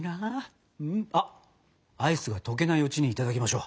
あっアイスが溶けないうちにいただきましょう。